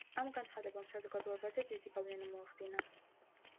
ამ განცხადებამ საზოგადოებაზე დიდი გავლენა მოახდინა.